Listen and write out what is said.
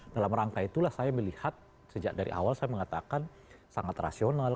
dalam rangka itulah saya melihat sejak dari awal saya mengatakan sangat rasional